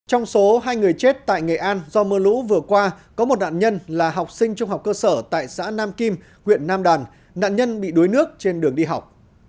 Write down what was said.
trong số hai người chết tại nghệ an do mưa lũ vừa qua có một nạn nhân là học sinh trung học cơ sở tại xã nam kim huyện nam đàn nạn nhân bị đuối nước trên đường đi học